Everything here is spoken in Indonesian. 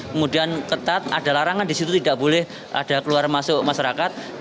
kemudian ketat ada larangan di situ tidak boleh ada keluar masuk masyarakat